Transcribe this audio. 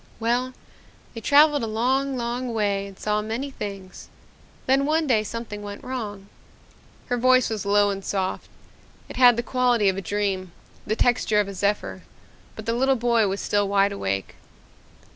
"Well, they traveled a long, long way and saw many things. Then one day something went wrong." Her voice was low and soft. It had the quality of a dream, the texture of a zephyr, but the little boy was still wide awake.